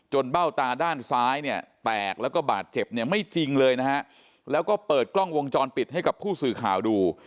เบ้าตาด้านซ้ายเนี่ยแตกแล้วก็บาดเจ็บเนี่ยไม่จริงเลยนะฮะแล้วก็เปิดกล้องวงจรปิดให้กับผู้สื่อข่าวดู